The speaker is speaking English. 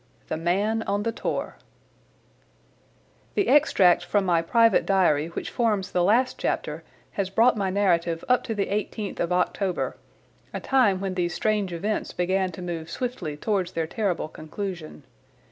The Man on the Tor The extract from my private diary which forms the last chapter has brought my narrative up to the eighteenth of October, a time when these strange events began to move swiftly towards their terrible conclusion.